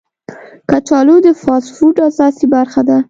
کچالو د فاسټ فوډ اساسي برخه ده